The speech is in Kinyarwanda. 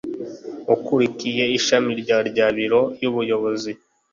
Ukuriye ishami rya rya biro y’Ubuyobozi